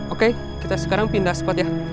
oke kita sekarang pindah spot ya